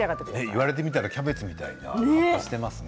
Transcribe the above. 言われてみるとキャベツみたいな形をしていますね。